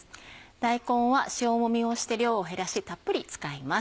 大根は塩もみをして量を減らしたっぷり使います。